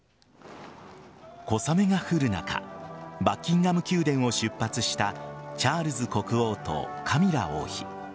小雨が降る中バッキンガム宮殿を出発したチャールズ国王とカミラ王妃。